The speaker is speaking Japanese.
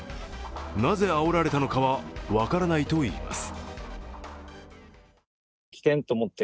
なぜあおられたのかは分からないといいます。